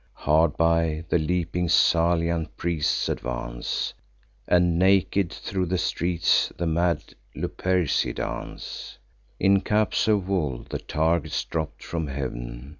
Hard by, the leaping Salian priests advance; And naked thro' the streets the mad Luperci dance, In caps of wool; the targets dropp'd from heav'n.